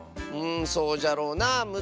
うんそうじゃろうなあ。